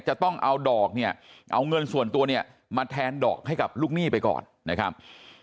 จะต้องเอาดอกเนี่ยเอาเงินส่วนตัวเนี่ยมาแทนดอกให้กับลูกหนี้ไปก่อนนะครับ